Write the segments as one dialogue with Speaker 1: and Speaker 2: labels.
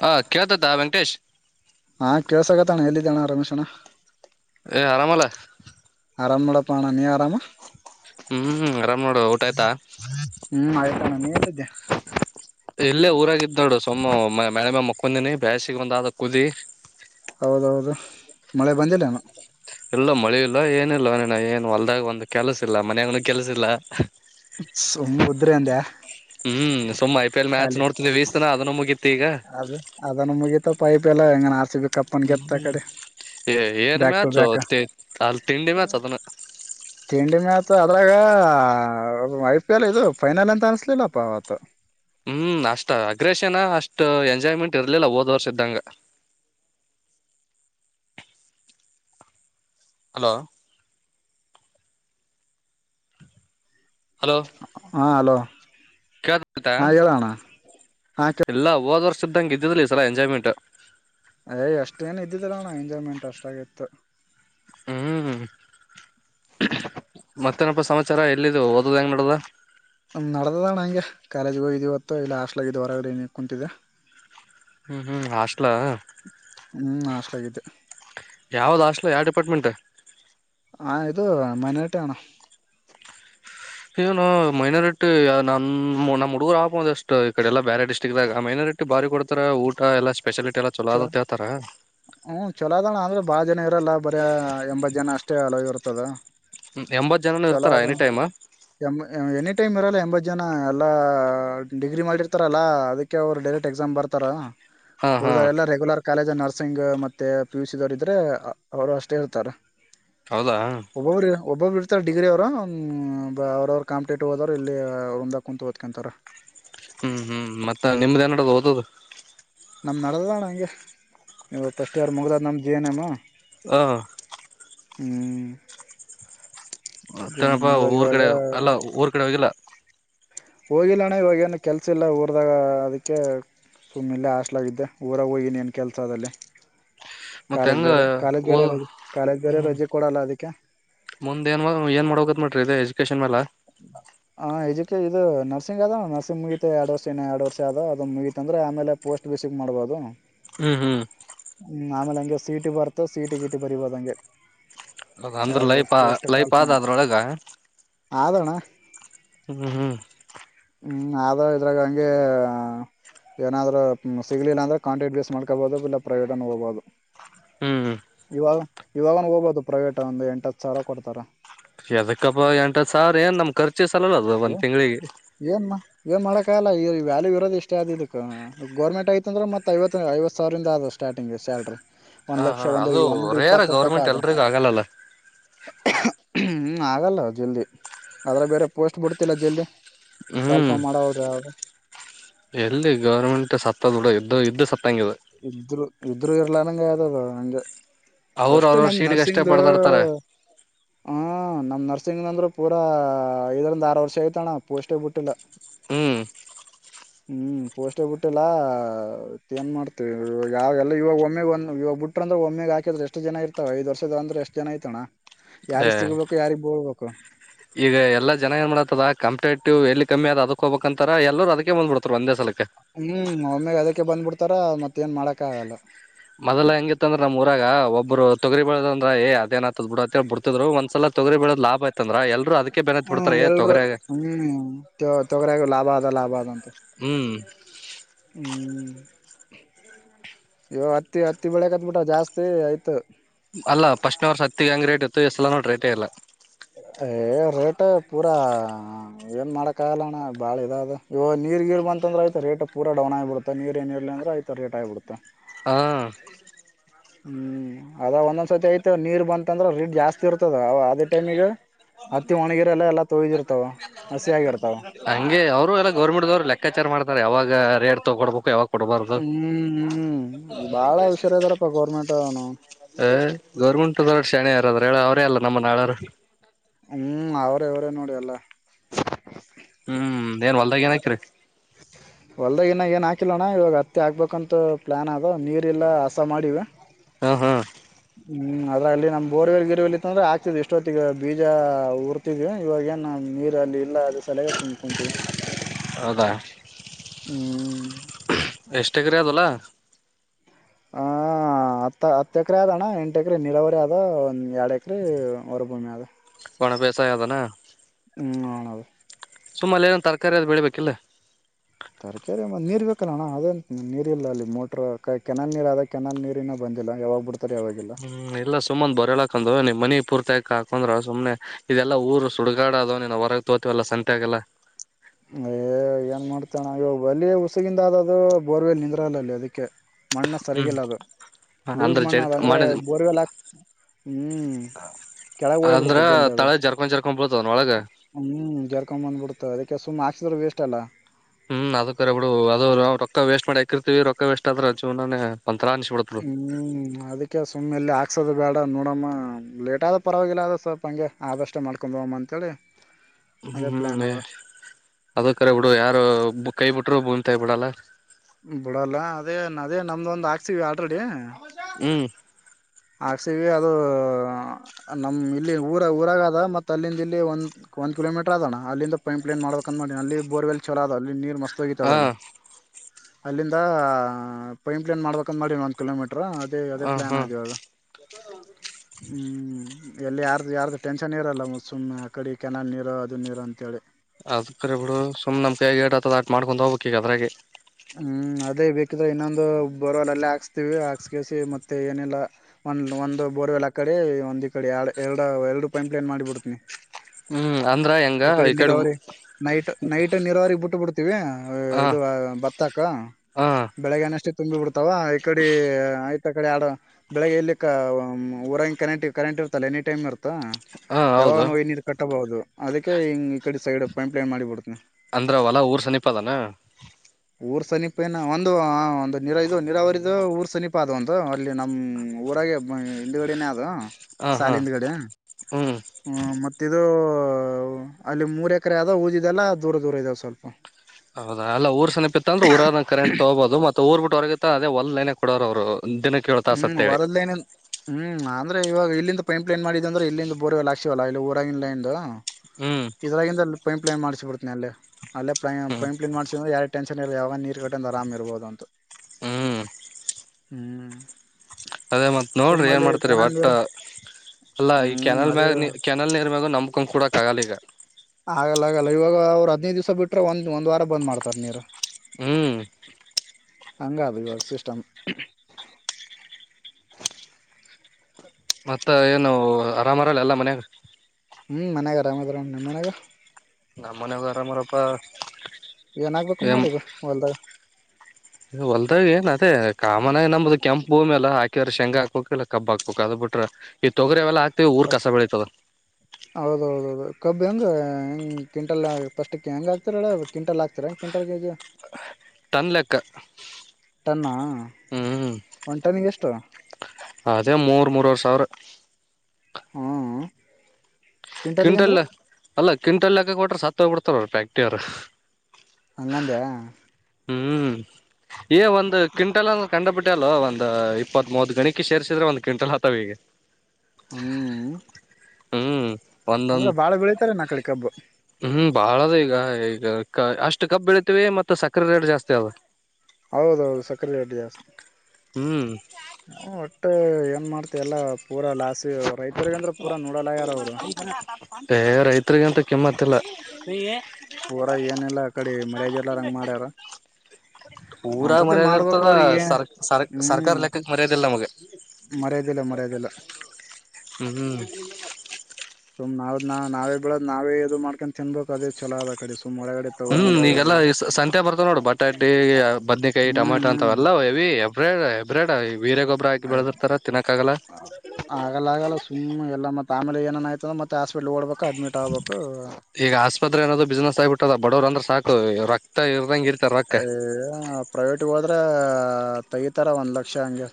Speaker 1: ಹ ಕೇಳ್ತತ್ತ ವೆಂಕಟೇಶ್
Speaker 2: ಹಾ ಕೇಳಳ್ಸಕತಣ ಎಲ್ಲಿಿದ್ದಣ ರಮೇಶ್ ಕ
Speaker 1: ಏ ಆರಾಮಲ್ಲ
Speaker 2: ಆರಾಮಳ ಪಣ ನೀ ಆರಾಮ
Speaker 1: ಹ್ಮ್ ಆರಾಮ್ ನೋಡು ಊಟ ಆಯ್ತಾ
Speaker 2: ಹ ನೀತ್ದ
Speaker 1: ಇಲ್ಲೇ ಊರಾಗಿದ್ ನೋಡು ಸೊಮಮ್ಮ ಮಳ ಮ ಮುಕ್ಕಂದಿನಿ ಬೇಸಿಗೆ ಬಂದಾದ ಕುದಿ
Speaker 2: ಹೌದೌದು ಮಳೆ ಬಂದಿಲ್ಲನ
Speaker 1: ಇಲ್ಲ ಮಳಿಿಲ್ಲ ಏನ ಇಲ್ವನನ ಏನ್ ಹೊಲ್ದಾಗ ಒಂದು ಕೆಲ್ಸಿಲ್ಲ ಮನ್ಯಾಗನ ಕೆಲ್ಸ ಇಿಲ್ಲ
Speaker 2: ಸುಮ್ ಉದ್ರಿ ಅಂದ್ಯಾ
Speaker 1: ಹ್ಮ್ ಸುಮಮ್ಮ ಐ ಪಿ ಎಲ್ ಮ್ಯಾಚ್
Speaker 2: ಖಾಲಿ
Speaker 1: ನೋಡ್ತಿದ್ದವಿ ವಸ್ತನ ಅದನ್ನು ಮುಗ
Speaker 2: ಅದು ಅದನ್ನ ಮುಗಿತ ಪೈಪ್ ಎಲ್ಲ ಹೆಂಗನ್ ಆಸಿ ಬಿ ಕಪ್ಪನ್ ಗೆತ್ತ
Speaker 1: ಹ್ಮ್ಮ
Speaker 2: ಕಡೆ
Speaker 1: ಏರ
Speaker 2: ಬ್ಯಾಕ್ ಟು
Speaker 1: ಮ್ಯಾಚೋ
Speaker 2: ಬ್ಯಾಕ್
Speaker 1: ಅ ತಿಂಡಂಡ ಮ್ಯಾಚ್ದ
Speaker 2: ಟಿಂಡ ಮತ ಅ ಅದ್ರಾಗ ಐ ಪಿ ಎಲ್ ಇದು ಫೈನಲ್ ಅಂತ ಅನ್ಸ್ಲಿಲ್ಲಪ್ಪ ಅವತ್ತು
Speaker 1: ಹ್ಮ್ ಅಷ್ಟ ಅಗ್ರಷನಾ ಅಷ್ಟು ಎಂಜಾಯ್ಮೆಂಟ್ ಇರ್ಲಿಲ್ಲ ಓದವರ್ಷ ಇದ್ದಂಗ ಹಲೋ ಹಲೋ
Speaker 2: ಹ ಹಲೋ
Speaker 1: ಕ್ದತಾ
Speaker 2: ಹಾ ಹೇಳೋಣ ಹಾ
Speaker 1: ಇಲ್ಲ ಹೋದ್ ವರ್ಷ ಸ್ದಂಗಗೆ ಇದಿದ್ರಲ ಸಲ ಎಂಜಾಯ್ಮೆಂಟ್
Speaker 2: ಅಯ ಅಷ್ಟೇನ ಇದಿದರಣ ಎಂಜಾಯ್ಮೆಂಟ್ ಅಷ್ಟಾಗಿತ್ತು
Speaker 1: ಹ್ಮ್ ಮತ್ತೆನಪ ಸಮಾಚಾರ ಎಲ್ಲ ಓದ್ ಹೆಂಗ ನಡಿದ
Speaker 2: ನಡ್ದದಣ ಹಂಗೆ ಕಾಲೇಜ್ ಹೋಗಿದೀವತ್ತು ಇಲ್ಲ ಹಾಸ್ಟ್ಲಗಿದ್ದ ಹೊರಗಡೆ ಏನ ಕುಂತಿದೆ
Speaker 1: ಹ್ಮ್ ಹ್ಮ್ ಹಾಸ್ಟೆಲ್ ಹ
Speaker 2: ಲ [inaudible]
Speaker 1: ಯಾವ್ದ ಹಾಸ್ಟೆಲ್ ಯಾವ ಡಿಪಾರ್ಟ್ಮೆಂಟ್
Speaker 2: ಹಾ ಇದು ಮನಟ ಆಣ
Speaker 1: ಇವನು ಮೈನಾರಿಟಿ ನ ನಮ್ಮ ಹುಡುಗರು ಆಬಹಂದ ಅಷ್ಟು ಈ ಕಡೆ ಎಲ್ಲಾ ಬೇರೆ ಡಿಸ್ಟ್ರಕ್ ದಾಗ ಮೈನ ಬಾರಿ ಕೊಡ್ತಾರ ಊಟ ಎಲ್ಲ ಸ್ಪೆಷಾಲಿಟಿ ಎಲ್ಲ ಚಲೋ
Speaker 2: ಚ
Speaker 1: ಅದ ಅಂತ ಹೇಳ್ತಾರ
Speaker 2: ಹ್ಮ್ ಚೊಲೋ ಅದಣ ಅಂದ್ರ ಬಾಳ ಜನ ಇರಲ್ಲ ಬರ ಎಂಬತ್ತು ಜನ ಅಷ್ಟೇ ಹಲೋ ಇರ್ತದ
Speaker 1: ಎಂಬತ್ ಜನನು
Speaker 2: ಚಲ
Speaker 1: ಇರ್ತಾರ
Speaker 2: ಅದು
Speaker 1: ಎನಿ ಟೈಮ್
Speaker 2: ಎ ಎನಿ ಟೈಮ್ ಇರಲ್ಲ ಎಂಬ ಜನ ಎಲ್ಲಾ ಡಿಗ್ರಿ ಮಾಡಿರ್ತಾರಲ್ಲಾ ಅದಕ್ಕೆ ಅವರು ಡೈರೆಕ್ಟ್ ಎಕ್ಸಾಮ್ ಬರ್ತಾರ
Speaker 1: ಹಾ ಹಾ
Speaker 2: ಉಳಿದವರೆ ಎಲ್ಲ ರೆಗ್ಯುಲರ್ ಕಾಲೇಜ್ ನರ್ಸಿಂಗ್ ಮತ್ತೆ ಪಿ ಯು ಸಿ ದವರ್ ಇದ್ರೆ ಅವ್ರು ಅಷ್ಟೇ ಇರ್ತಾರೆ
Speaker 1: ಹೌದಾ
Speaker 2: ಒಬ್ಬೊಬ್ಬ ಇಡ್ತಾರೆ ಡಿಗ್ರಿ ಅವ್ರು ಅವ್ರವ್ರ ಕಾಂಪಿಟೇಟಿವ್ ಹೋದವರು ಇಲ್ಲಿ ಅವರುಂದಾಗ ಕುಂತು ಓದ್ಕೊಂತಾರೆ
Speaker 1: ಹ್ಮ್ ಹ್ಮ್ ಮತ್ತ ನಿಮ್ದ ನಡದು ಓದದು
Speaker 2: ನಮ್ ನಡಣ ಹಂಗೆ ನೀವು ಫಸ್ಟ್ ಇಯರ್ ಮುಗ್ದಾದ್ ನಮ್ ಜಿ ಎನ್ ಎಮ್
Speaker 1: ಹ್ಮ
Speaker 2: ಹ್ಮ್ ಜಿ ಎನ್ ಎಮ್
Speaker 1: ಮತ್ತೇನಪ್ಪಾ
Speaker 2: ಮುಗ್ದದ್
Speaker 1: ಊರ್ ಕಡೆ
Speaker 2: ಇವಾಗ
Speaker 1: ಅಲ್ಲ ಊರ್ ಕಡೆ ಹೋಗಿಲ್ಲ
Speaker 2: ಹೋಗಿಲ್ಲಾನ ಇವಾಗೇನು ಕೆಲ್ಸ ಇಲ್ಲ ಊರಿದಾಗ ಅದಕ್ಕೆ ಸುಮ್ಮನೆಲ್ಲೇ ಹಾಸ್ಲಾಗಿದ್ದೆ ಊರ ಹೋಗನಿ ಏನ್ ಕೆಲಸ ಅದಲ್ಲಿ
Speaker 1: ಮತ್ತ
Speaker 2: ಕಾಲೇಜ್
Speaker 1: ಹೆಂಗ
Speaker 2: ಬೇರೆ ಕಾಲೇಜ್ ಬೇರೆ
Speaker 1: ಓದ್
Speaker 2: ರಜೆ ಕಾಲೇಜ್ ಬೇರೆ ರಜೆ ಕೊಡಲ್ಲ ಅದಕ್ಕೆ
Speaker 1: ಮುಂದ್ ಏನ್ ಏನ್ ಮಾಡೋಕತ್ರಿ ಇ ಎಜುಕೇೇಶನ್ ಮೇಲ
Speaker 2: ಹ ಎಜು ಇದು ನರ್ಸಿಂಗ್ ಅದ ನರ್ಸಿಂಗ್ ಮುಗಿತತೆ ಎರಡ್ ವರ್ಷ ಇನ ಎರಡ್ ವರ್ಷ ಆದ ಅದ್ ಮುಗಿತತ ಅಂದ್ರೆ ಆಮೇಲೆ ಪೋಸ್ಟ್ ಬಸಕ್ ಮಾಡ್ಬಹದು
Speaker 1: ಹ್ಮ್ ಹ್ಮ್
Speaker 2: ಆಮೇಲೆ ಹಂಗೆ ಸೀಟ ಬರ್ತ ಸೀಟ ಗಿಟ್ ಬರಿಬೋದುಂಗೆ
Speaker 1: ಹೌದ ಅಂದ್ರೆ ಲೈಫ ಲೈಫ ಆದ ಅದ್ರೊಳಗ
Speaker 2: ಆದಣ್ಣ
Speaker 1: ಹ್ಮ್ ಹ್ಮ್
Speaker 2: ಹ್ಮ್ ಆದ ಇದ್ರಾಗ ಹಂಗೆ ಏನಾದ್ರೂ ಸಿಗ್ಲಿಲ್ಲ ಅಂದ್ರ ಕಾಟ್ರಾಕ್ಟ್ ಬೇಸ್ ಮಾಡ್ಕೊಬಹದು ಇಲ್ಲ ಪ್ರೈವೇಟ್ ಅನ್ನು ಹೋಗಬಹುದು
Speaker 1: ಹ್ಮ್
Speaker 2: ಇವಾಗ ಇವಾಗ ಹೋಗ್ಬಹದು ಪ್ರೈವೇಟ್ ಒಂದು ಎಂಟಟ್ ಹತ್ ಸಾವಿರ ಕೊಡ್ತಾರ
Speaker 1: ಎದಕ್ಕಪ್ಪಾ ಎಂಟದ ಸಾವರ ಏನ್ ನಮ ಖರ್ಚ
Speaker 2: ಏನ್ ಏನ್ ಮಾಡಕ್ಕಾಗಲ್ಲ ಈ ವ್ಯಾಲ್ಯೂ ಇರೋದು ಇಷ್ಟ ಆದ ಇದಕ್ಕೆ ಗವರ್ನಮೆಂಟ್ ಐತು ಅಂದ್ರ ಮತ್ತತ್ ಐವ ಐವತ್ತು ಸಾವಿರಂದ ಆದದು ಸ್ಟಾರ್ಟಿಂಗ್ ಸ್ಯಾಲ್ರಿ ಒಂದ್
Speaker 1: ಹಾ
Speaker 2: ಲಕ್ಷ
Speaker 1: ಹಾ
Speaker 2: ಒಂದು
Speaker 1: ಅದು
Speaker 2: ಒಂದು
Speaker 1: ರೇರ್
Speaker 2: ಇಪ್ಪತ್ತು ತಕ
Speaker 1: ಗೌರ್ಮೆಂಟ್
Speaker 2: ಅದು
Speaker 1: ಎಲ್ರಿಗೂ ಆಗಲ್ಲಲ್ಲ
Speaker 2: ಹ್ಮ ಆಗಲ್ಲ ಜಲ್ದಿ ಆದದ್ರ ಬೇರೆ ಪೋಸ್ಟ್ ಬಿಡ್ತಿಲ್ಲ ಜಲ್ದಿ
Speaker 1: ಹ್ಮ್
Speaker 2: ಕಾಲ್ಫಾರ್ಮ್ ಮಾಡವ್ರ
Speaker 1: ಎಲ್ಲಿ ಗೌರ್ಮೆಂಟ್ ಸತ್ತ ದದುಡ ಇದ್ದ ಇದ್ದ ಸ
Speaker 2: ಇದ್ರು ಇರ್ಲಾನಂಗಗೆ ಆಗೆದೊ ಹಂಗೆ
Speaker 1: ಅವ್ರ
Speaker 2: ಪಸ್ಟು
Speaker 1: ಅವ್ರವ್ರ
Speaker 2: ನಮ್ದ
Speaker 1: ಸೀಟ್ಗೆ ಅಷ್ಟೇ
Speaker 2: ನರ್ಸಿಂಗ
Speaker 1: ಬಡದಾಡ್ತಾರ
Speaker 2: ಧು ನರ್ಸಿಂಗ್ನ ಅಂದ್ರೆ ಪೂರ ಐದರಿಂದ ಆರು ವರ್ಷ ಐತಣ್ಣ ಪೋಸ್ಟೇ ಬಿಟ್ಟಿಲ್ಲ
Speaker 1: ಹ್ಮ್
Speaker 2: ಹ್ಮ್ ಪೊಷ್ಟ ಬಿಟ್ಟಿಲ್ಲಾ ಏನ್ ಮಾಡ್ತೇವಿ ಯಾವಾಗಲ್ಲ ಇವಾಗ ಒಮ್ಮೆಾಗ ಒಂದ ಇವಾಗ ಬಿಟ್ಟಂದ್ರೆ ಒಮ್ಮೆಗೆ ಹಾಕಿದ್ರೆ ಎಷ್ಟ ಜನ ಇರ್ತವೆ ಐದ ವರ್ಷದ ಅಂದ್ರೆ ಎಷ್ಟ ಜನ ಐತಣ ಯಾರಿ ಸಿಗ್ಬೇಕು ಯಾರಿಗ್ ಬೋಳ್ಬೇಕು
Speaker 1: ಈಗ ಎಲ್ಲ ಜನ ಏನ್ ಮಾಡತದ ಕಂ ಟಿವ್ ಎಲ್ಲಿ ಕಿಮ್ಮಿ ಅದ ಹೋಗಬೇಕಂತ ಎಲ್ಲರು ಅದಕ್ಕೆ ಬಂದ್ ಬಿಡ್ತಾರೆ ಒಂದೇ ಸಲಕ್ಕೆ
Speaker 2: ಹ್ಮ್ ಒಮ್ಮೆಾಗ ಅದಕ್ಕೆ ಬಂದ್ಬಿಡ್ತಾರ ಮತ್ತ ಏನ್ ಮಾಡಕ ಆಗಲ್ಲ
Speaker 1: ಮೊದಲ ಹೆಂಗತ್ತ ಅಂದ್ರ ನಮ್ಮ ಊರಾಗ ಒಬ್ಬ ತಗರಿ ಬಳದ್ರ ಏ ಅದಏನದ್ ಬಿಡ ಅಂತ ಹೇಳಿ ಬಿಡ್ತಿದ್ ಒಂದ್ಸಲ ತೊಗರಿಳದ ಲಾಭ ಆಯತ ಅಂದ್ರ ಎಲ್ರು ಅದು
Speaker 2: ಹ್ಮ ಎಲ್ರತೊಗರೆಗ ಲಾಭ ಅದ ಲಾಭ ಅದಂತ
Speaker 1: ಹ್ಮ್
Speaker 2: ಹ್ಮ್ ಇವಾಗ ಅತ್ತಿ ಅತ್ತಿ ಬೆಳಕತ ಬಿಟ್ ಜಾಸ್ತಿ ಆಯ್ತು
Speaker 1: ಅಲ್ಲ ಫಸ್ಟ್ವ್ರ ಹತ್ತಿಗೆ ಹೆಂಗಗೆ ರೇಟ್ ಇತ್ತು ಎಸ್ಲ್ಲ ನೋಡ ರೇಟೇ ಎಲ್ಲ
Speaker 2: ರೇಟ್ ಪೂರಾ ಏನ್ ಮಾಡಕ ಆಗಲ್ಲಣ್ಣ ಬಾಳ ಇದದ ಇವಗ ನೀ ನೀರರ್ಗಿ ಬಂತ ದ್ರ ಆಯ್ತು ರೇಟ್ ಪೂರಾ ಡೌನ್ ಆಗಿಬಿಡುತ್ತ ನೀರ್ ಏನ್ ಇಲ್ಲ ಅಂದ್ರ ಆಯತ ರೇಟ್ ಆಗಿಬಿಡತದ
Speaker 1: ಹಾ
Speaker 2: ಹ್ಮ್ ಅದ ಒಂದೊಂದ್ಸತಿ ಆಯ್ತ ನೀರ್ ಬಂತಂದ್ರೆ ರೇಟ್ ಜಾಸ್ತಿ ಇರ್ತದ ಅದೇ ಟೈಮಿಗ ಹಸಿ ಆಗಿರ್ತಾವ
Speaker 1: ಹಂಗೆ ಅವರು ಎಲ್ಲ ಗೌರ್ಮೆಂಟ್ವರು ಲೆಕ್ಕಾಚಾರ ಮಾಡ್ತಾರೆ ಯಾವಾಗ ರೇಟ್ ತೊಗೊಡ್ಬೇಕು ಯಾವಾಗ ಕೊಡ್ಬಾರ್ದು
Speaker 2: ಹ್ಮ್ ಹ್ಮ್ ಬಾಳ ಹುಷಾರ ಇದದಾರಪ್ಪಾ ಗೌರ್ಮೆಂಟ್ ಅವನು
Speaker 1: ಏ್ ಗೌರ್ಮೆಂಟ್ದ ಶಣೆ ಯಾರದ್ರ ಹೇಳ ಅವ್ರೇ ಅಲ್ಲ ನಮ್ಮ ನಾಳಾರರು
Speaker 2: ಹ್ಮ್ ಅವ್ರ ಇವರೇ ನೋಡ ಎಲ್ಲ
Speaker 1: ಹ್ಮ್ ಏನ್ ಹೊಲ್ದಾಗ ಏನ ಆಕಿರಿ
Speaker 2: ಹೊಲ್ದಗ ಇನ್ನ ಏನ್ ಹಾಕಿಲ್ಲಣ್ಣ ಇವಾಗ ಹತ್ತಿ ಹಾಕ್ಬೇಕಂತೂ ಪ್ಲಾನ್ ಆದ ನೀರಿಲ್ಲ ಹಸಾ ಮಾಡಿವಿ
Speaker 1: ಹಾ ಹಾ
Speaker 2: ಹ್ಮ್ ಅ್ರ ಅಲ್ಲಿ ನಮ್ ಬೋರ್ವಲ್ ಗಿರಿಲ್ ಇತ್ತಂದ್ರೆ ಆಗ್ತಿದ್ ಇಷ್ಟೊತ್ತ ಈಗ ಬೀಜ ಉರ್ತಿದ್ವಿ ಇವಾಗ ಏನ್ ನೀರ ಅಲ್ಲಿ ಇಲ್ಲ ಅದ್ರ ಸಲಗೆ ಸುಮಕಂತೀವಿ
Speaker 1: ಹೌದಾ
Speaker 2: ಹ್ಮ್
Speaker 1: ಎಷ್ಟ್ ಎಕ್ರೆ ಆದ ಹೊಲ
Speaker 2: ಹ ಹತ್ತ ಹತ್ತ ಎಕರೆ ಆದದಣ್ಣ ಎಂಟ ಎಕರೆ ನೀರಾವರಿ ಆದದ ಒ ಎರಡು ಎಕ್ಕರೆ ಹೊರ ಭೂಮಿ ಆದ
Speaker 1: ಸಾಯದಾನ
Speaker 2: ಹ್ಮ ಅಣ್ಣದು
Speaker 1: ಸುಮ ಅಲ್ಲಿ ಏನರೆ ತರಕಾರಿ ಅದು ಬೆಳಬೇಕಿಲ್ಲ
Speaker 2: ತರಕಾರಿ ನೀರ್ ಬೇಕಲ್ಲ ಅಣ್ಣ ಅದ ನೀರ್ ಇಲ್ಲ ಅಲ್ಲಿ ಮೋಟ್ರ ಕೆನಾಲ್ ನೀರ್ ಆದ ಕೆನಲ್ ನೀರಿನ ಬಂದ ಯಾವಾಗ ಬಡು
Speaker 1: ಹ್ಮ್ ಇಲ್ಲ ಸುಮ್ಮ್ ಬೋರ್ಲ್ ಹಾಕೊಂಡು ನೀ ಮನಿ ಪೂರ್ತಿಕ್ ಹಾಕಂದ್ರ ಸುಮ್ನೆ ಇದೆಲ್ಲ ಊರು ಸುಡುಗಾಡ ಅದ ನೀನು ಹೊರಗೆ ತೋತವಲ್ಲ ಸಂತೆಗೆಲ್ಲ
Speaker 2: ಹೇ ಏನ್ ಮಾಡ್ತೇಣ ಇವು ಅಲ್ಲಿ ಉುಸಿಗಿಂದ ಆದದು ಬೋರ್ವೆಲ್ ನಿಂದ್ರಲ್ಲ ಅಲ್ಲಿ ಅದಕ್ಕೆ ಮಣ್ಣ
Speaker 1: ಹ್ಮ್
Speaker 2: ಸರಿಗಿಲ್ಲದು ಲೂಸ್
Speaker 1: ಅಂದ್ರ
Speaker 2: ಮಾ
Speaker 1: ಜರಿ
Speaker 2: ಣ್ಣದ ಅಂದ್ರೆ
Speaker 1: ಮನೆ
Speaker 2: ಬೋರ್ವೆಲ್ ಹಾಕ್ ಹ್ಮ್ ಕೆಳಗೆ ಹೋಗ್
Speaker 1: ಅಂದ್ರ
Speaker 2: ಬಿಡ್ತದೆ ಜಲ್ದಿ ಅದು
Speaker 1: ತಳ ಜರ್ಕೊಂಡ್ ಜರ್ಕೊಂಡ್ ಬೀಳ್ತವನ್ ಒಳಗ
Speaker 2: ಹ್ಮ್ ಜರ್ಕೊ್ ಬಂದ್ ಬಿಡ್ತ ಅದಕ್ಕೆ ಸುಮ ಮಾಡಿಸಿದರು ವೇಸ್ಟ್ ಅಲ್ಲ
Speaker 1: ಹ್ಮ್ ಅದ ಕರ ಬಿಡು ಅದು ರೊಕ್ಕ ವೇಸ್ಟ್ ಮಾಡಿ ಆಕಿರ್ತಿವಿ ರೊಕ್ಕ ವೇಸ್ಟ್ ಆದ್ರ ಜೀವನನೆ
Speaker 2: ಹ್ಮ್ ಅದಕ್ಕೆ ಸುಮ್ಮ ಇಲ್ಲೆ ಹಾ ಹಕ್ಸೋದು ಬೇಡ ನೋಡಮ್ಮ ಲೇಟ್ ಆದ ಪರವಾಗಿಲ್ಲ ಅದು ಸ್ವಲ್ಪ ಹಾಗಂಗೆ ಆದಷ್ಟೇ ಮಾಡ್ಕೊಂಡು ಹೋವಮ್ಮ ಅಂತೇಳಿ
Speaker 1: ಹ್ಮ್
Speaker 2: ಅದೇ
Speaker 1: ಹ್ಮ್
Speaker 2: ಪ್ಲಾನ್ ಅದ
Speaker 1: ಅದ ಕರ ಹುಡು ಯಾರು ಕೈ ಬಿಿಟ್ಟ ಭೂಮಿತಾಯಿ ಬಿಡಲ್ಲ
Speaker 2: ಬಿಡಲ್ಲ ಅದೇ ಅದೇ ನಮ್ದೊಂದ್ ಹಾಕ್ತೀವಿ ಆಲ್ರೆಡಿ
Speaker 1: ಹ್ಮ್
Speaker 2: ಹಾಕ್ಸೀವಿ ಅದು ನಮ ಇಲ್ಲಿ ಊರ ಊರಾಗದ ಮತ್ತ ಅಲ್ಲಿಂದ ಇಲ್ಲಿ ಒಂದು ಒಂದ ಕಿಲೋಮೀಟರ್ ಅದಣ ಅಲ್ಲಿಂದ ಪೈಪ್ಲಿನ್ ಮಾಡಬೇಕಕ್ಂದ ಮಾಡಿ ಅಲ್ಲಿ ಬೋರ್ವೆಲ್ ಚಲೋದ ಅಲ್ಲಿ ನೀ ಮಸ್ ತಗತ
Speaker 1: ಹಾ
Speaker 2: ಅಲ್ಲಿಂದ ಪೈಂಪ್ಲನ್ ಮಾಡ್ಬೇಕ ಮಾಡಿ ಒಂದ್ ಕಿಲೋಮೀಟರ್ ಅದೇ ಅದೇ
Speaker 1: ಹ
Speaker 2: ಪ್ಲಾನ್
Speaker 1: ಹಾ
Speaker 2: ಆಗಿವಾಗ ಹ್ಮ್ ಎಲ್ಲಿ ಯಾರ್ದು ಯಾರ್ದುಟೆನ್ ಇರಲ್ಲ ಸುಮ್ಮ್ ಆ ಕಡೆ ಕೆನಾಲ್ ನೀರ ಅದು ನೀರ ಅಂತೇಳಿ
Speaker 1: ಅದ್ ಕರಿ ಬಿಡು ಸುಮ್ ನಮ್ಾಗಿ ಡ್ತದ ಆಟ ಮಾಡ್ಕೊಂಡು ಹೋಗ್ಬೇಕ ಈಗ ಅದ್ರಾಗೆ
Speaker 2: ಹ್ಮ್ ಅದೇ ಬೇಕಿದೆ ಇನ್ನೊಂದು ಬರ್ವಲ್ಲ್ಲೇ ಹಾಕ್ಸ್ತಿೀವಿ ಹಾಕ್ಸ್ಕಸಿ ಮತ್ತೆ ಏನಿಲ್ಲ ಒಂದ ಒಂದು ಬೋರ್ವೆ ಎಲ್ಲ ಆ ಕಡೆ ಒಂದ ಈ ಕಡೆ ಎರಡು ಎರಡು ಪೈಂಪ್ ಲೈನ್ ಮಾಡಿಬಿಡ್ತನಿ
Speaker 1: ಹ್ಮ್ ಅಂದ್ರ ಹೆಂಗ
Speaker 2: ಈ ಕಡೆ ನೀರಾವರಿ ನೈಟ್ ನೈಟ್ ನೀರಾವರಿ ಬಿಟ್ಟ ಬಿಿಡ್ತ ತಿವ
Speaker 1: ಹ
Speaker 2: ಇದು ಬತ್ತಕ
Speaker 1: ಹ
Speaker 2: ಬೆಳಿಗ್ಗೆನಷ್ಟೇ ತುಂಬಿ ಬಿಡ್ತ ತವ ಇಕಡೆ ಆಯ ಕಡೆ ಆಡ ಬೆಳಗ್ ಎಲ್ಲಿಊರಾಿ ಕರೆಂಟ್ ಕರೆಂಟ್ ಇರ್ತಲ್ಲ ಎನಿ ಟೈಮ್ ಇರ್ತ್ತ
Speaker 1: ಹ
Speaker 2: ತ್ತ ಯಾವಾಗ
Speaker 1: ಹೌದು
Speaker 2: ನೋ ನೀರು ಕಟ್ಟಬಹುದು ಅದಕ್ಕೆ ಹಿಂಗ ಈ ಕಡೆ ಸೈಡ್ ಪೈಂಪ್ ಲೈನ್ ಮಾಡಿಬಿಡ್ತನಿ
Speaker 1: ಅಂದ್ರವಲ್ಲಾ ಊರ್ ಸನೀಪ ಅದಾನ
Speaker 2: ಊರ್ ಸಮೀಪಏನ ಒಂದು ಒಂದು ನೀರಾ ಇದು ನೀರಾವರಿದ ಊರ್ ಸಮೀಪ ಅದ ಒಂದು ಅಲ್ಲಿ ನಮ್ಮ್ ಕೂರಾಗ ಹಿಂದಗಡನೇ ಅದು
Speaker 1: ಹ
Speaker 2: ಸಾಲ
Speaker 1: ಹಾ
Speaker 2: ಹಿಂದಗಡೆ
Speaker 1: ಹ್ಮ್
Speaker 2: ಮ ತಿದು ಅಲ್ಲಿ ಮೂರ್ ಎಕರೆ ಆದ ಊದಿದೆಲ್ಲ ದೂರ ದೂರ ಇದಾವ ಸ್ವಲ್ಪ
Speaker 1: ಹೌದಾ ಅಲ್ಲ ಊರ್ ಸನಪಿತ್ತ ಅಂದ್ರ ಊರದ ಕರೆಂಟ್ ತಗಬಹದು ಮತ್ತೆಊರ್ ಬಿಟ್ಟ ಹೊರಗತ್ತ ಅದೇ ಒಂದ್ ಲೈನಕ್ ಕೊಡೋರು ಅವರು ಒಂದ ದಿನ
Speaker 2: ಹ್ಮ್
Speaker 1: ಕೇಳತಾಸತ್ತೇವೆ
Speaker 2: ಹೊರದ್ಲೇನ ಹ್ಮ್ ಅಂದ್ರೆ ಇವ ಇಲ್ಲಿಂದ ಪೈಪ್ ಏನ್ ಮಾಡಿದ ಅಂದ್ರೆ ಇಲ್ಲಿಂದ ಬೋರ್ ಎಲ್ಲ ಆಕ್ಷಿವಲ್ಲ ಇಲ್ಲಿ ಊರಾಗಿಲ್ಲಂದು
Speaker 1: ಹ್ಮ್
Speaker 2: ಇದ್ರಾಗಿಂದ ಪೈಂಪ್ಲನ್ ಮಾಡ್ ಬಿಡ್ತನ ಅಲ್ಲೆ
Speaker 1: ಹ್ಮ್
Speaker 2: ಪೈಪ್ಲೇನ್ ಮಾಡಸಿದ್ರ ಯಾರ ಟೆನಸನ್ ಇಲ್ಲ ಯಾಗ ನೀರು ಕಟ್ಟ ಅ ಆರಾಮ್ ಇರ್ಬಹುದು ಅಂತ
Speaker 1: ಹ್ಮ್
Speaker 2: ಹ್ಮ್
Speaker 1: ಅದೇ ಮತ್ ನೋಡ್ರಿ ಏನ್
Speaker 2: ಸುಮ್ಮಲ್ಲಿ
Speaker 1: ಮಾಡ್ತರಿ
Speaker 2: ಕೆನಾಲ್
Speaker 1: ಒಟ್ಟ
Speaker 2: ನೀರ್
Speaker 1: ಅಲ್ಲಾ ಈ
Speaker 2: ಹ್ಮ್
Speaker 1: ಕೆನಲ್
Speaker 2: ಅದೇ
Speaker 1: ಮ್ಯಾಗ ಕೆನಲ್ ನೀರ್ ಮ್ಯಾಗ ನಂಬಕೊಂಡ್ ಕೂಡಕ್ಕಾಗಲ್ಲ ಈಗ
Speaker 2: ಆಗಲ್ಲ ಆಗಲ್ಲ ಇವಾಗ ಅವರು ಹದ್ಿನೈದು ದಿವ್ಸ ಬಿಟ್ರೆ ಒಂದ ಒಂದ್ ವಾರ ಬಂದ್ ಮಾಡ್ತಾರ ನೀರು
Speaker 1: ಹ್ಮ್
Speaker 2: ಹಂಗಆದುವ ಸಿಸಟಮ
Speaker 1: ಮತ್ತ ಏನು ಆರಾಮರಲ್ಲ ಎಲ್ಲ ಮನ್ಯಾಗ
Speaker 2: ಹ್ಮ್ ಮನ್ಯಾಗ ಆರಾಮ್ದರಾಮ್ ನಿಮ್ ಮನ್ಯಾಗ
Speaker 1: ನಮ್ಮ್ ಮನೆಾಗ ಅರಾಮರಪ
Speaker 2: ಏನಾಗ್ಬೇಕನ್ ಮಾಡಿರಿ ಹೊಲ್ದಾಗ
Speaker 1: ಹೊಲ್ದಾಗ ಏನ್ ಅದೇ ಕಾಮನಾಗ ನಮದು ಕೆಂಪು ಭೂಮಿ ಎಲ್ಲ ಹಾಕಿದ್ರೆ ಶಂಗ ಹಾಕೋಕಲ್ಲ ಕಬ್ ಹಾಕಬೇಕ ಅದು ಬಿಟ್ರ ಈ ತೊಗರಿವೆಲ್ಲಾ ಹಾಕ್ತಿವಿ ಊರ್ ಕಸ ಬೆಳತದ
Speaker 2: ಕಬ್ಬಿ ಹಂಗೆ ಹೆಂಗೆ್ವಿಂಟಲ್ ಫಸ್ಟ್ು ಹೆಂಗೆ ಹಾತರಲ್ಲ ಕ್ಂಟಲ್ ಹಾಕ್ತರಾಂ್ವಿಂಟಲ್ ಕೆಜಿ
Speaker 1: ತಣ್ಣ ಲೇಕಾ
Speaker 2: ಟನ್ನಾ
Speaker 1: ಹ್ಮ್
Speaker 2: ಒಂದ್ ಟನ್ನಿಗೆ ಎಷ್ಟು
Speaker 1: ಅದೇ ಮೂರು ಮೂರವರೆ ಸಾವಿರ
Speaker 2: ಹ್ಮ್ ಹ
Speaker 1: ಕ್ವಿಂಟಲ್ ಅಲ್ಲ ಕ್ವಿಂಟಲ್ ಲೇಕ ಕೊಟ್ರ ಸಾತ್ ಹೋಗಿಬ ಬಿಡ್ತಾರ ಪ್ಯಾಕ್ಟಿಯ ಅವರು
Speaker 2: ಹಂಗಂದ
Speaker 1: [inaudible] ಒಂದು ಕ್ವಿಂಟಲ್ ಅಂದ ಕಂಡ್ ಬಿಿಟ್ಟೆ ಅಲ್ವ ಒಂದ ಇಪ್ಪತ್ ಮೂ್ ಗಣಿ ಸೇರ್ರಿಸಿದ್ರೆ ಒಂದ್ ಕ್ವಿಂಟಲ್ ಆತಾವ ಈಗ
Speaker 2: ಹನು
Speaker 1: ಹ್ಮ್
Speaker 2: ಅಂದ್ರೆ
Speaker 1: ಒಂದೊಂದ್
Speaker 2: ಬಾಳ ಬೆಳಿತಾರೆ ನ ಕಡ ಕ ಹಬ್ಬ
Speaker 1: ಬಾಳದ ಈಗ ಈಗ ಅಷ್ಟು ಕಬ್ ಬೆಳಿತೀವಿ ಮತ್ತ ಸಕ್ಕರೆ ರೇಟ್ ಜಾಸ್ತಿ ಅದ
Speaker 2: ಹೌದೌದು ಸಕ್ಕರೆ ಅಡ್ಡಿ ಜಾಸ್ತಿ
Speaker 1: ಹ್ಮ್
Speaker 2: ಒಟ್ಟೆ ಏನ್ ಮಾಡ್ತ ಎಲ್ಲ ಪೂರಾ ಲಾಸ್ ರೈತರಿಗ ಅಂದ್ರ ಪೂರಾ ನೋಡಲಾಗ್ಯಾರ ಅವ್ರು
Speaker 1: ಹೆ ರೈತ್ಗಂತ ಕಿಮ್ಮತ್ತಲ್ಲ
Speaker 2: ಊರಗ ಏನಿಲ್ಲ ಆ ಕಡೆ ಮರ್ಯಾದಿಲ್ಲಂಗ್ ಮಾಡ್ಯಾರ
Speaker 1: ಊರಾಗ
Speaker 2: ಒಂದ್ಸತಿ
Speaker 1: ಮರ್ಯಾದೆ
Speaker 2: ಮಾಡ್ಬೇಕ
Speaker 1: ಇರ್ತದ
Speaker 2: ಅವ್ರಿಗೆ
Speaker 1: ಸರ್ ಸರ್ ಸರ್ಕಾರ ಲೆಕ್ಕಕ್ ಮರ್ಯಾದೆ ಇಲ್ಲ ನಮಗ
Speaker 2: ಮರ್ಯದಿಲ್ಲ ಮರ್ಯದಿಲ್ಲ
Speaker 1: ಹ್ಮ್
Speaker 2: ಸುಮ್ ನಾವ್ ನಾವೇಬೀಳದ ನಾವೇಇದು ಮಾಡಕೆಂದ ತಿನ್ಬೇಕ ಅದೇ ಚಲೋ ಅದ ಅಕಡಿಸ
Speaker 1: ಹ್ಮ್ ಈಗೆಲ್ಲಾ ಈ ಸಂತೆ ಬರ್ತವ ನೋಡು ಬಟಾಟಿ ಬದ್ನೇಕಾಯಿ
Speaker 2: ಹ್ಮ್
Speaker 1: ಟಮಾಟೊ ಅಂತ
Speaker 2: ಹ್ಮ್
Speaker 1: ಎಲ್ಲ ಎವಿ ಬ್ರೆಡ್ ಬ್ರೆಡ್
Speaker 2: ಆಯ್ತ ಆಗಲ್ಲ ಆಗಲ್ಲ ಸುಮ್ಮ್ನೆ ಎಲ್ಲ ಮತ್ತ ಆಮೇಲೆ ಏನನ್ ಆಯ್ತದ ಮತ್ತೆ ಹಾಸ್ಪಿಟ್ಲ್ ಓಡ್ಬೇಕು ಅಡ್ಮಿಟ್ ಆಗ್ಬೇಕು
Speaker 1: ಈಗ ಆಸ್ಪತ್ರೆ ಅನ್ನೋದು ಬಿಸ್ನೆಸ್ ಆಗ್ಬಿಟ್ಟದ ಬಡವ್ರ ಅಂದ್ರ ಸಾಕು ರಕ್ತ ಇರ್ದಂಗ ಇರ್ತಾರ ರೊಕ್ಕ.
Speaker 2: ಅಯ್ಯ ಪ್ರೈವೇಟ್ಗೆ ಹೋದ್ರೆ ಮತ್ತ ಈತರ ಒಂದ್ ಲಕ್ಷ ಹಂಗೆ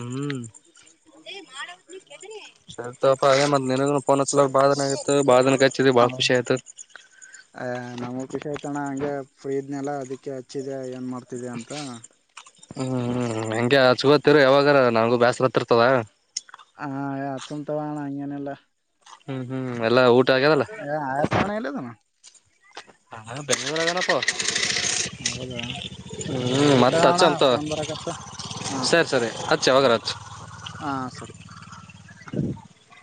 Speaker 1: ಹ್ಮ್ ಸರಿ ತೊಪ ನಿನಗನೂ ಪೋನ ಅಚ್ಚಲಾರ ಬಾಳದಿನ ಆಗಿತ್ತು ಬಾಳದಿನ ಅಚ್ಚಿದಿ ಬಾಳಖುಷಿ ಆಯತ್
Speaker 2: ಅ ನಮಗ ಖುಷಿ ಆಯ್ತಣ ಹಂಗೆ ಫ್ರೀ ಇದ್ನೆಲ್ಲ ಅದಕ್ಕೆ ಹಚ್ಚಿದೆ ಏನ್ ಮಾಡ್ತಿದೆ ಅಂತ
Speaker 1: ಆಚಾಗೋಂತಾಇರು ಯಾವಾಗಾರ ನಂಗೂ ಬ್ಯಾಸರ ಅತಿರತದ
Speaker 2: ಹಾ ಹ ಅಚ್ಚುಮ ತೋ ಅಣ್ಣ ಅಂಗನಿಲ್ಲ
Speaker 1: ಹ್ಮ್ ಹ್ಮ್ ಎಲ್ಲಾ ಊ
Speaker 2: ಯ ಆಯತಣ್ಣ ಎಲ್ಲದವ
Speaker 1: ಹಾ ಬೆಂಗಳೂರಗನಪ್ಪ
Speaker 2: ಹೌದಾ
Speaker 1: ಹ್ಮ್
Speaker 2: ಸರಿ
Speaker 1: ಮತ್ತ
Speaker 2: ತಗೋಣ
Speaker 1: ಅಚ್ಚಮ್ ತೋ
Speaker 2: ಫೋನ್ ಬರಕತ್ತ ಹಾ
Speaker 1: ಸರಿ ಸರಿ ಅ ಅಚ್ಚ ಯಾವಾಗರ ಅಚ್ಚು
Speaker 2: ಹಾ ಸರಿ
Speaker 1: [inaudible]